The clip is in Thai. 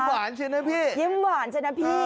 ใช่ไหมพี่ยิ้มหวานใช่ไหมพี่